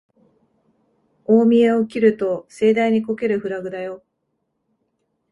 大見得を切ると盛大にこけるフラグだよ